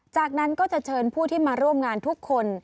จากนั้นก็จะเชิญผู้ที่มาร่วมงานทุกคน